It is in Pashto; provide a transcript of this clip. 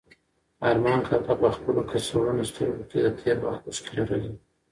ارمان کاکا په خپلو کڅوړنو سترګو کې د تېر وخت اوښکې لرلې.